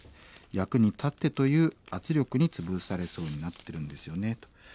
「役に立ってという圧力に潰されそうになってるんですよね」と。